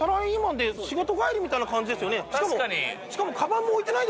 しかもしかも。